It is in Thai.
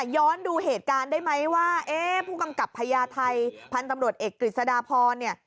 ย้อนดูเหตุการณ์ได้ไหมว่าเอ๊ะผู้กำกับพญาไทยพันธุ์ตำรวจเอกกฤษฎาพรเนี่ย